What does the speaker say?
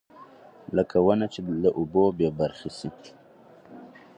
لکه ونه چې له اوبو بېبرخې شي.